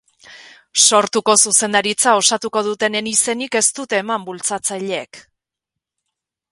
Sortuko zuzendaritza osatuko dutenen izenik ez dute eman bultzatzaileek.